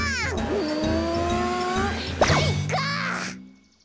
うん？